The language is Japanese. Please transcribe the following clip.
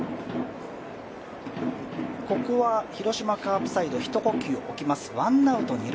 ここは広島カープサイド、一呼吸置きます。